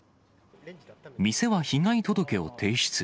店は被害届を提出。